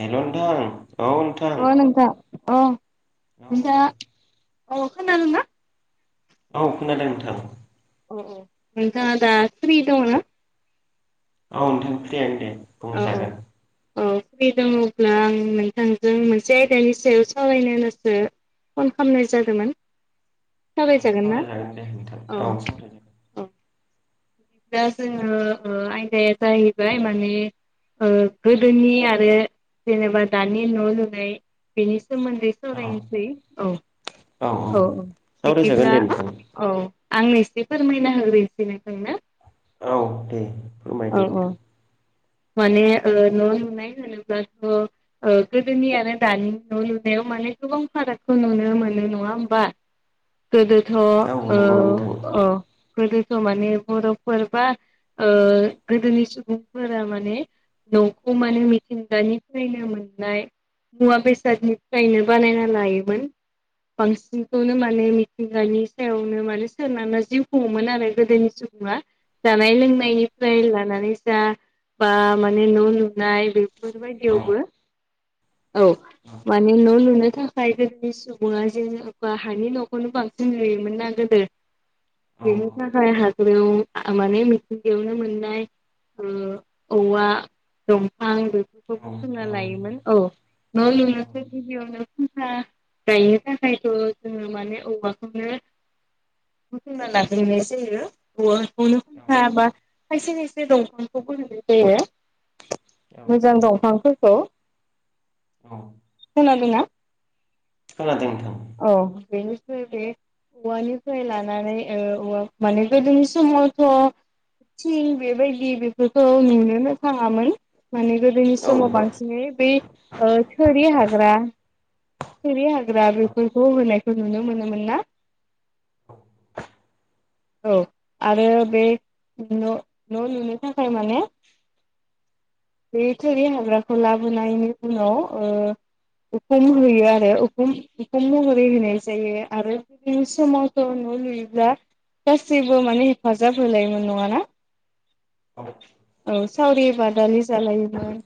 Hello नोंथां औ नोंथां। अ औ नोंथाङा औ खोनादों ना? औ खोनादों नोंथां। अ अ औ औ नोंथाङा दा फ्रि दङोना? औ नोंथां फ्रि आनो‌ दे अ अ बुंजागोन। औ फ्रि दङब्ला आं नोंथांजों मोनसे आयदानि सायाव सावरायनो होन्नासो फन खालामनाय जादोंमोन। सावराय औ जागोन ना सावरायजागोन दे नोंथां औ सावरायजागोन औ। दा जोङो ओ आयदाया जाहैबाय माने ओ गोदोनि आरो जेनेबा दानि न' लुनाय बेनि सोमोन्दै औ सरायनोसै औ औ औ सावरायजागोन बिदिब्ला दे नोंथां औ। आंनो एसे फोरमायना होग्रोनोसै नोंथांनो। औ दे फोरमायदो औ औ नोंथां। माने ओ न' लुनाय होनोब्लाथ' गोदोनि आरो दानि न' लुनायाव माने गोबां फारागखौ नुनो मोनो नङा होमबा? गोदोथ' ओ औ नंगौ नोंथां ओ गोदो माने बर'फोर बा ओ गोदोनि सुबुंफोर फ्रा माने न'खौ माने मिथिंगानिफ्रायनो मोननाय मुवा बेसादनिफ्रायनो बानायना लायोमोन। बांसिनखौनो माने मिथिंगानि सायावनो माने सोरना जिउ खुङोमोन आरो गोदोनि सुब आ जानाय लोंनायनिफ्राय लानानै जा बा माने न' लुनाय औ बेफोरबायदियावबो। औ माने न' लुनो। थाखाय गोदोनि सुबुङा जेनेबा हानि न'खौनो बांसिन नुयोमोन ना गोदो औ बेनि थाखाय हाग्रायाव माने मिथिंगायावनो मोननाय ओ औवा दंफां। बुथुमना औ औ लायोमोन औ न' लुनोसो गिबियावनो जोंहा गायनो थाखायथ जोङो माने औवाखौनो बुथुमा लाग्रोनाय जायो औवा [unintelligible] खायसे खायसे दंफांखौबो होननाय जायो मोजां दंफांफोरखौ औ खोनादों ना खोनादों नोंथां औ बेनि फ्राय बे औवानिफ्राय लानानै ओ माने गोदोनि समावथ' थिं बेबायदि बेफोरखौ नुनोनो थाङामोन माने गोदोनि औ समाव औ औ खोनादों नोंथां औ खोनादों नोंथां खोनादों औ बांसिनै बेै ओ थोरि हाग्रा थोरि हा ग्रा बेफोरखौ होनायखौ नुनो मोनोमोन ना [inaudible] औ आरो बे न न लुनो थाखाय माने बे थुरि हाग्राखौ लाबोनायनि उनाव ओ उखुम होयो आरो उखुम उखुम महरै होनाय जायो आरो जोंनि समावथ' न लुयोब्ला गासिबो माने हेफाजाब होलायोमोन नङा ना [inaudible] सावरि बादालि जालायोमोन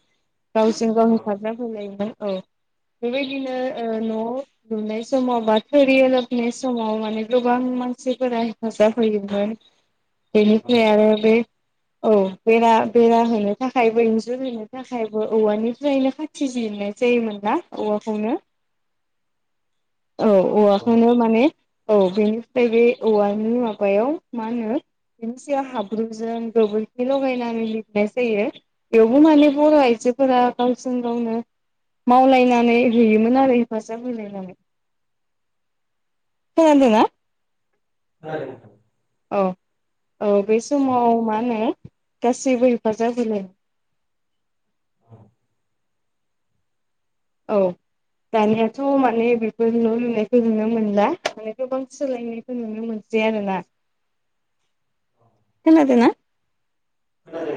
गावजों गाव हेफाजाब होलायोमोन औ बेबायदिनो ओ न लुनाय समाव बा थोरि ओलाबनाय समाव माने गोबां मानसिफोरा हेफाजाब होयोमोन बेनिफ्राय आरो बे औ बेरा बेरा होनो थाखायबो इन्जुर होनो थाखायबो औवानिफ्रायनो खाथि जिरनाय जायोमोन ना औवाखौनो औ औवाखौनो माने औ बेनिफ्राय बे औवानि माबायाव मा होनो [unintelligible] बेनि सिगां हाब्रुजों गोबोर लगायनानै लिरनाय जायो बेवबो माने बर' आइजोफोरा गावजों गावनो मावलायनानै होयोमोन आरो हेफाजाब होलायनानै खोनादोंना खोनादों औ औ बे समाव मा होनो गासिबो हेफाजाब होलाय औ औ दानियाथ माने बेफोर न लुनायखौ नुनो मोनला माने गोबां सोलायनायखौ नुनो मोन सै आरो ना खोनादोंना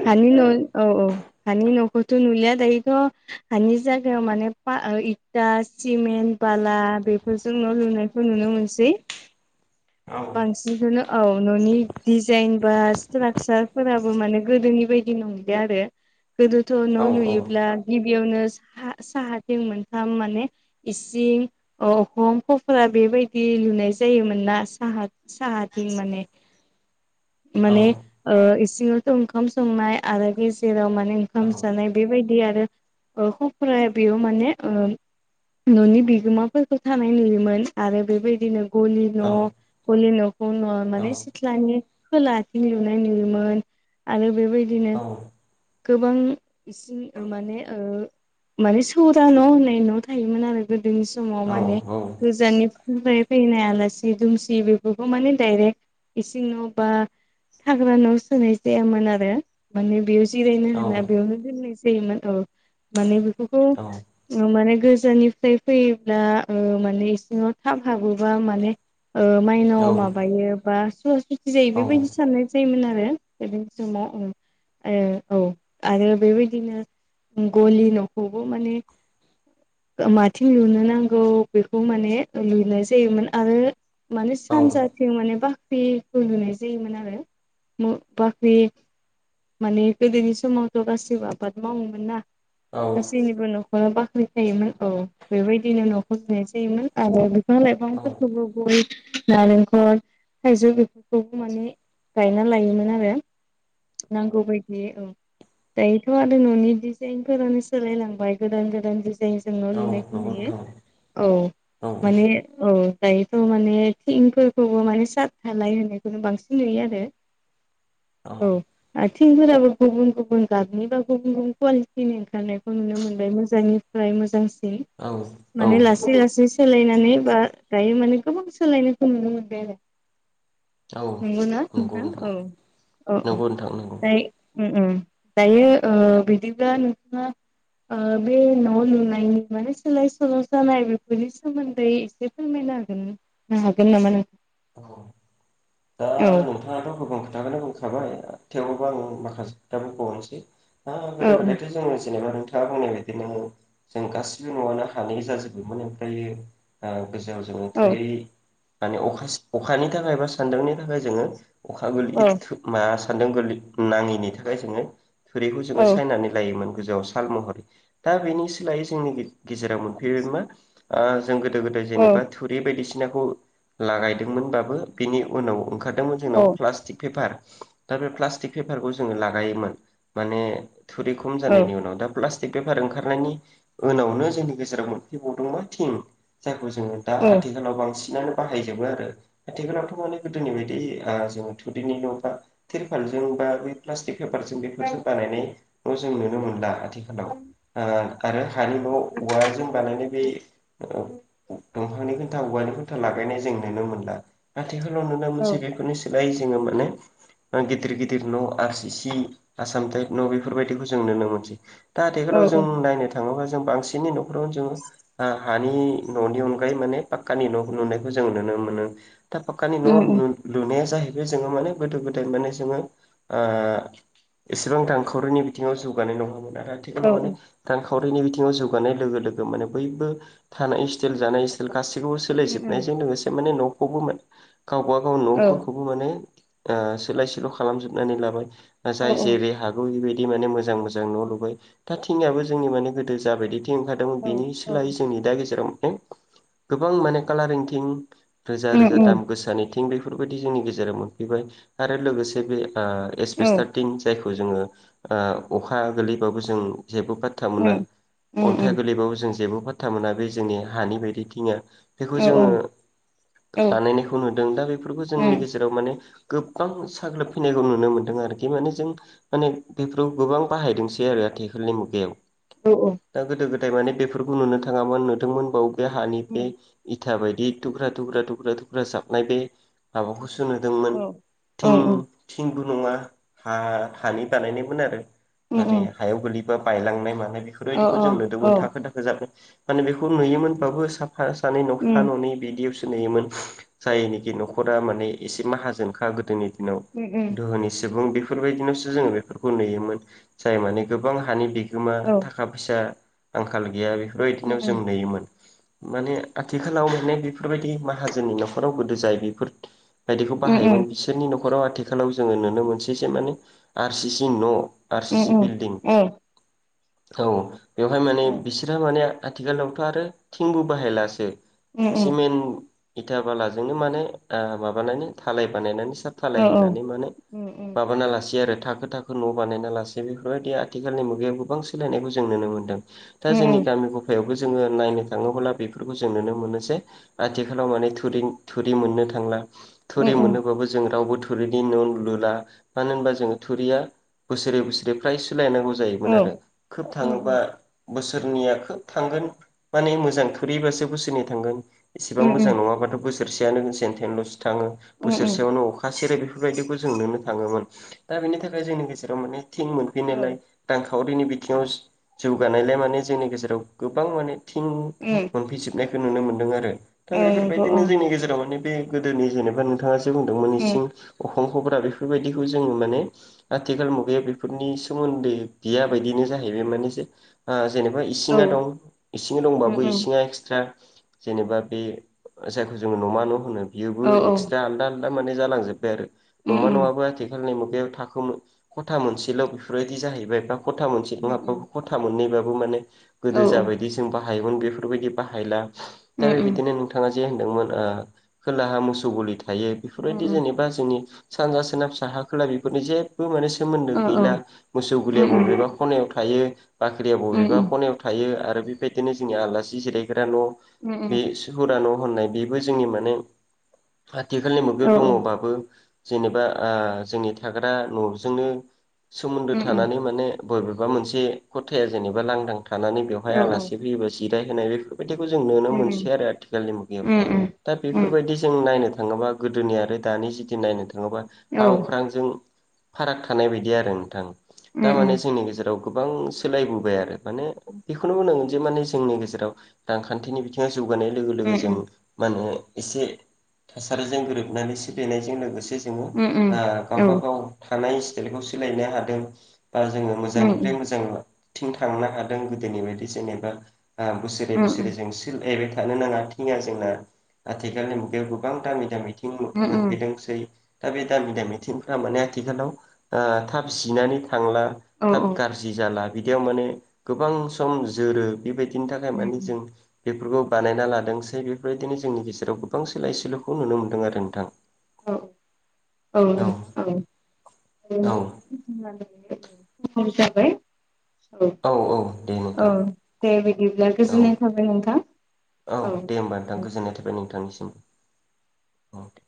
हानि न' औ औ हानि न'खौथ नुलिया दायोथ हानि जायगायाव माने फा ओ इथा सिमेन्ट बाला बेफोरजों न' लुनायखौ नुनो मोनसै मानसिनि खौनो औ ननि डिजाइन बा स्ट्राकसारफोराबो माने गोदोनि बायदि नंलिया आरो गोदोथ न' लुयोब्ला गिबियावनो साहा साहाथिं मोनथाम माने इसिं अखम खफ्रा बेबायदि लुनाय जायोमोन ना साहा साहाथिं माने माने औ ओ सिङावथ ओंखाम संनाय आरो गेजेराव माने ओंखाम औ जानाय बेबायदि आरो ओ खुखुराया बेयाव माने ओ ननि बिगोमाफोरखौ थानाय नुयोमोन आरो बेबायदिनो गलि न' औ औ गलि न'खौ नया माने नंगौ सिथ्लानि खोलाथिं लुनाय नुयोमोन आरो बेबायदिनो गोबां इसिं माने ओ माने सौरा न' होननाय न' थायोमोन आरो गो दोनि समाव माने गोजाननिफ्राय फैनाय आलासि दोम सि बेफोरखौ माने डाइरेक्ट इसिं न' बा थाग्रा न' सोनाय जायामोन आरो माने बे जिरायनो होना बेयावनो दोननाय जायोमोन औ माने बेफोरखौ माने गोजाननिफ्राय फैयोब्ला माने इसिङाव थाब हाबोबा माने माइनाव माबायो बा सुवा सुथि जायो बेबायदि साननाय सोन आरो समाव औ औ आरो बेबायदिनो गलि नखौबो माने माथिं लुनो नांगौ बेखौ माने लुनाय जायोमोन आरो माने सानजाथिं माने बा बाख्रि फु लुनाय जायोमोन आरो बाख्रि माने गोदोनि समावथ' गासैबो आबाद मावोमोन ना गासैनिबो न' ननो बाख्रि थायोमोन औ बेबायदिनो न'खौ होननाय जायोमोन आरो बिफां लाइफांफोरखौबो गय नारेंखल थाइजौ बेफोरखौबो माने गायना लायोमोन आरो नांगौ बायदि औ दायोथ' आरो न'नि डिजाइनफोरानो सोलायलांबाय गोदान गोदानाइ जों लुनायखौ नुयो औ माने औ दायोथ' मान थिंफोरखौबो माने सार थालाय होननायखौनो बांसिन नुयो आरो औ आथिंफोराबो गुबुन गुबुन गाबनि बा गुबुन गुबुन कुवालिटिनि ओंखारनायखौ नुनो मोनबाय मोजांनि फ्राय मोजांसिन माने लासै लासै सोलायनानै बा गायो माने गोबांसि सोलायनायखौ नुनो मोनबाय आरो नंगौना नोंथां औ औ नोंथां औ नंगौ। उ दायो बिदिब्ला नोंथा बे न' लुनायनि माने सोलाय सोल' जानाय बेफोरनि सोमोन्दै एसे फोरमाय ह हागोन नामा नोन दा नोंथाङाथ' गोबां खोथाखौनो बुंखाबाय थेवबो आं माखासे दा बुंबनोसै औ गोदो गोदायथ' जोंङो जेनेबा नोंथ खोथा बुंनाय बायदिनो जों गासिबो न'आनो हानै जाजोबोमोन ओमफ्र गोेजेराव जोङो औ थैै माने अखा अखानि थाखाय बा सान्दुंनि थाखाय जोङो अखा गोरलै मा सानदों गोरलै नाङैनि थाखाय जोङो थुरिखौ औ जोङो सायनानै लायोमोन फुजौआव साल महरै दा बेनि सोलायै जोंनि गेजेराव मोनफैबाय मा जों गोदो गोदाय जेनेबा थुरि बायदिसिनाखौ लागायदोंमोनबाबो बेनि उनाव औ ओंखारदों [unintelligible] प्लासटिक पेपार ला बे प्लासटिक पेपारखौ जोङो लागायोमोन माने थुरि खम जानायनि उनाव दा ब्लास्ट बेफार ओंखारनायनि उनावनो जोंनि गेजेराव मोनफैबावदोंबा थिं जो दा औ औ आथिखालाव बांसिनानो बाहायजोबो आरो आथिालाव गोदोनि बायदि जो थुदैनि न' बा थेरपालजों बा पेपारजों बेफोरजों बानायनाय जों नुनो मोनला आथिखालाव आरो हानि न' औवारजों बानायनाय बे दंफांनि खोन्था औवानि खोनन््था लागायनाय जों नुनो मोनला आथिखालाव नुनो औ मोनसै बेफोरनि स बाय जोङो माने गिदिर गिदिर न' आर सि सि आसाम टाइप न' बेफोरबायदिखौ जों नुनो मोनसै दा औ आथिखालाव औ जों नायनो थाङोब्ला जों बांसिनै न'खरावनो जोङो हानि न'नि अनगायै माने पाक्कानि न' नुनायखौ जों नुनो मोनो था फाखकानि उम उम न' लुनाया जाहैबाय जोङो माने गोदो गोदाय माने जोङो एसेबां दानखावरिनि बिथिङाव जौगानाय नङामोन आरो औ आथिखालाव माने दानखावरि सावरिनि बिथिङाव जौगानाय लोगो लोगो माने बयबो थानाय स्टाइल जानाय स्टाइल गासै गसिखौबो उम उम सोलायजोबनायजों लोगोसे माने न'खौबो मोन गावबागाव औ न'फोरखौबो माने सोलाय सोल' खालामजोबनानै लाबाय औ जाय जेरै- हागौ बेबायदि माने मोजां मोजां न' लुबाय दा थिंनियाबो जोंनि माने गोदो जाबायदि [unintelligible] ओंखारदोंमोन औ बिनि औ सोलायै जोंनि दा गेजेराव माने गोबां माने कालारइं थिं रोजा उम रोजा उम दाम गोसानैथिं बेफोरबायदि जोंनि गेजेराव मोनफैबाय आरो लोगोसे बे औ ओएसपेस्टारटिं जायखौ जोङो ओ अखा गोलैबाबो जों जेबो फाथ्था मोना उम उम उम अन्थाइ गोरलैबाबो जों जेबो फाथ्था मोना बे जोंनि हानि बायदिथिङा बेखौ औ जोङो औ उम औ बानायनायखौ नुदों। दा बेफोरखौ जोंनि गेजेराव माने गोबां साग्लोबफैनायखौ नुनो मोन्दों आरोखि माने जों माने बेफोराव गोबां बाहायदोंसै आरो। आथिखालनि मुगायाव उम दा गोदो गोदाय माने बेफोरखौ नुनो थाङामोन नोंथांमोन बाव बे हानि बे इथा बायदि दुख्रा दुख्रा दुख्रा दुख्रा साबनाय बे हाबाखौ गुसु औ नुदोंमोन औ थिं थिंबो नङा हा हानि बानायनायमोन आरो उम माने उम हायाव गोगलैबा बायलांनाय मानाय औ बेफोरबायदिखौ जों औ नुदोंमोन थाखो थाखो जाब माने बेखौ नुयोमोनब्लााबबो साफा सानै उम न'फा नै बिदियावसो नुयोमोन। जायनिखि न'खरा माने एसे माहाजोनखा गोदोनि दिनाव उम दोहोनि सुबुं बेफोर बेफोरबायदिनावसो जोङो बेफोरखौ नुयोमोन जाय मानि गोबां हानि बिगोमा औ थाखा फैसा आंखाल गैया उम बेफोरबायदिनाव जों नुयोमोन। माने आथिखालाव मे बेफोरबायदि माहाजोननि न'खराव गोदो जाय बेफोर बायदिखौ उम बाहायोमोन बिसोरनि न'खराव आथिखालाव जोङो नुनो मोनसेसो माने आर सि सि न' आर सि उम उम सि उम बिल्दिं औ औ बेवहाय माने औ बिसोरहा माने आथिखालावथ' आरो थिंबो बाहायलासो उम उम सिमेन्ट इथाब बालाजोंनो लानो म म थालाय बानायनानै फिसा औ फालाय औ उम उम औ उम होनानै माने उम माबाना लासे आरो थाखो थाखो न' बानायना लासे बेफोरबायदि आथिखालनि मुगायाव गोबां सोलायनायखौ जों नुनो मोन्दों। दा जोंनि गामि गफायाव जोङो नायनो थाङोब्ला बे जों नुनो मोनो आथिखालाव माने थि थुरि मोननो थांला थुरि मोनोबाबो जों रावबो थुरिनि न' लुला मानो होनबा जोङो थुरिया बोसोरै बोसोरै फ्राय सोलायनांगौ जायोमोन आरो खोब थाङोबा बोसोरनैया खोब थांगोन माने मोजां थुरैबासो बोसोरनै थांगोन एसेबां मोजां नङाब्लााथ' बोरसेयानो जेन थेनल थाङो उम बोसोरसेयावनो अखा सेरे बेफोरबायदिखौ जों नुनो थाङोमोन दा बेनि थाखाय जोंनि गेजेराव थिं मोनैनायालाय औ सावरिनि बिथिङाव जौगानायलाय माने जोंनि गेजेराव गोबां माने थिं उम औ नंगौ मोनफैजोबनायखौ नुनो मोन्दों आरो दा औ उम बेफोरबायदिनो औ जोंनि गेजेराव माने बे गोदोनि जेनेबा नोंथाङा जो बुंदोंमोन इसिं खंखब्रा बेफोरबायदिखौ जोङो माने आथिखाल मुगायाव बेफोरनि सोमोन्दै गैया बायदिनो जायो हैबाय मानिसे जेनेबा इसिङा दं उम इसिं दंबाबो उम इसिङा एक्सट्रा जेनेबा बे जायखौ जोङो नमा न' होनो बियोबो औ औ एक्सट्रा आलदा आलदा माने जालांजोब्बाय आरो उम नङमा नङाबो आथिखालनि मुगायाव थाखो खथा मोनसेल' बेफोरबायदि जाहैबाय बा खथा मोनसे दं उम हाबाबो खथा मोननैबाबो माने औ गोदो जाबाय जों बा बाहाय बेफोरबायदि बाहायला दा उम बे उम बिदिनो जमोन खोलाहा मोसौ गलि थायो बेफोरबायदि औ जेनेबा जोंनि सानजा सोना फिसा हा खोला बेफोरनि जेबो माने सोमोन्दो औ गैला मोसौ उम गोरया बबेबा उम खनायाव थायो बाख्रिया उम बबेबा खनायाव थायो आरो आरो बेबायदिनो जोंनि आलासि जिरायग न' उम बे सुरा न' होननाय बेबो जोंनि माने आथिखालनि औ मुगायाव दङबाबो जेनेबा जोंनि थाग्रा न'जोंनो सोमोन्दो उम उम थानानै माने बबेबा मोनसे खथाया जेनेबा लांदां थानानै बेवहाय औ औ आलासि फैयोबा जिराय होनाय बेफोर बिदिखौ नुनो उम मोनसै उम आरो आथिखालनि मुगायाव उम दा उम उम बेफोरबायदि जों नायनो नङाबा थाङोबा गोदोनि आरो दानि जुदि नायनो थाङोब्ला हा औ अख्रांजों फाराग थानाय बायदि आरो नोंथां उम थारमाने उम जोंनि गेजेराव गोबां सोलायबोबाय आरो माने बेखौनो बुंनांगोन जे माने जोंनि गेजेराव रांखान्थिनि बिथिङाव जौगानाय लोगो उम लोगो जों मा होनो एसे थासारिजों गोरोबनानैसो बसोलिनायजों लोगोसे जों उम उम औ उम दा औ गावबा गाव थानाय स्टाइलखौ सोलायनो हादों। बा जोङो उम मोजांनिफ्राय मोजांथिं थांनो हादों गोदोनि बायदि जेनेबा बोसोरे बोसोरै जों थानो नाङा थिङा जोंना आथिखालनि मुगायाव गोबां दामि दामि थिं मोनफैदोंसै। दा बे दामि दामि थिंफ्रा माने आथिखालाव थाब जिनानै थांला उम औ थाब गाज्रि जाला बिदियाव माने गोबां सम जोरो बेबायदिनि थाखाय माने जों नोंथां बेफोरखौ बानायना लादोंसै बेफोरबायदिनो जोंनि गेजेराव गोबांसो लाइ सोलुखौ नुनो मोन्दों आरो नोंथां औ औ लोगो नोंथा औ औ [inaudible] औ औ दे औ नोंथां दे बिदिब्ला औ गोजोननाय थाबाय नोंथां। औ दे होमबा नोंथां औ गोजोननाय थाबाय नोंथांनिसिम। औ दे